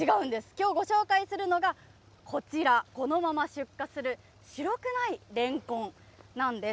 きょうご紹介するのがこちら、このまま出荷する白くないレンコンなんです。